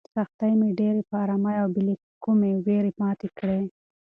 سختۍ مې په ډېرې ارامۍ او بې له کومې وېرې ماتې کړې.